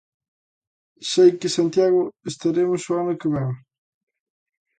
Sei que Santiago estaremos o ano que vén.